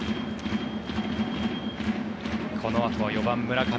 このあとは４番、村上。